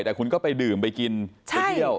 แต่คุณก็ไปดื่มไปกินไปเที่ยว